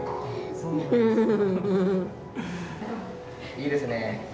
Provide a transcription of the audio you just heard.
いいですね。